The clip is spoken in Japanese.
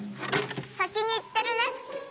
さきにいってるね！